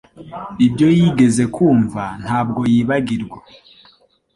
Ibyo yigeze kumva ntabwo yibagirwa